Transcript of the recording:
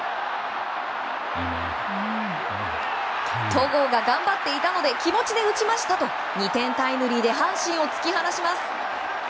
戸郷が頑張っていたので気持ちで打ちましたと２点タイムリーで阪神を突き放します。